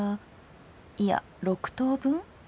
いや６等分。